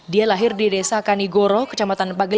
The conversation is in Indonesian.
dia lahir di desa kanigoro kecamatan pagelaran